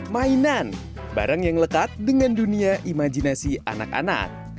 mainan barang yang lekat dengan dunia imajinasi anak anak